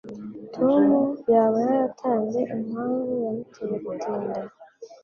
Tom yaba yaratanze impamvu yamuteye gutinda?